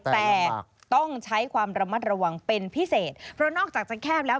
แต่ต้องใช้ความระมัดระวังเป็นพิเศษเพราะนอกจากจะแคบแล้ว